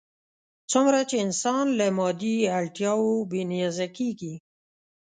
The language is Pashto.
څومره چې انسان له مادي اړتیاوو بې نیازه کېږي.